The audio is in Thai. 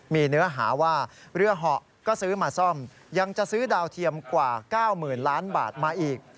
มีเนื้อหาว่าเรือเหาะก็ซื้อมาซ่อมยังจะซื้อดาวเทียมกว่า๙๐๐๐ล้านบาทมาอีก